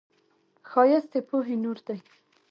ښایست د پوهې نور دی